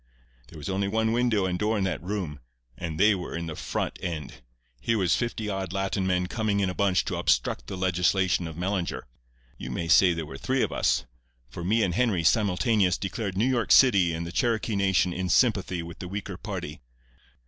"There was only one window and door in that room, and they were in the front end. Here was fifty odd Latin men coming in a bunch to obstruct the legislation of Mellinger. You may say there were three of us, for me and Henry, simultaneous, declared New York City and the Cherokee Nation in sympathy with the weaker party.